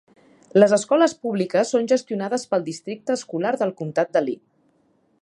Les escoles públiques són gestionades pel districte escolar del Comtat de Lee.